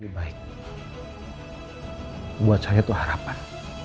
buat saya itu harapan